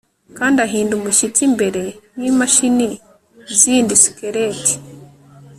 kandi ahinda umushyitsi mbere yimashini zindi skeleti